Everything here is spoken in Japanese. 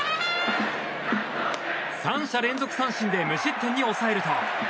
３者連続三振で無失点に抑えると。